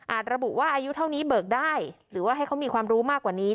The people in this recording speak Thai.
ระบุว่าอายุเท่านี้เบิกได้หรือว่าให้เขามีความรู้มากกว่านี้